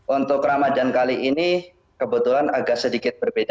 untuk ramadan kali ini kebetulan agak sedikit berbeda